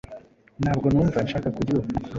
Ntabwo numva nshaka kurya ubu.